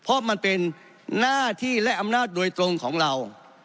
เพราะมันเป็นหน้าที่และอำนาจโดยตรงของเรา